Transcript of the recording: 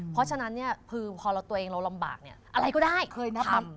เพราะฉะนั้นเนี่ยคือพอตัวเองเราลำบากเนี่ยอะไรก็ได้เคยทำ